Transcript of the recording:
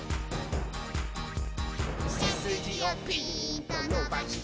「せすじをピーンとのばして」